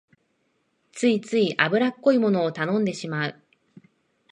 ついつい油っこいものを頼んでしまう